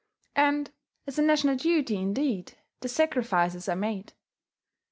And as a national duty, indeed, the sacrifices are made.